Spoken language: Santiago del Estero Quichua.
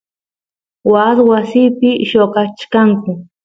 waas wasipi lloqachkanku